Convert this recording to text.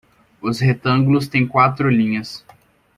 Os retângulos têm quatro linhas.